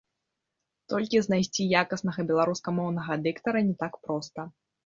Толькі знайсці якаснага беларускамоўнага дыктара не так проста.